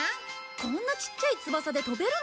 こんなちっちゃい翼で飛べるの？